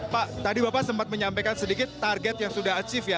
pak tadi bapak sempat menyampaikan sedikit target yang sudah achieve ya